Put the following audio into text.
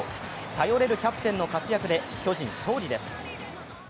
頼れるキャプテンの活躍で巨人勝利です。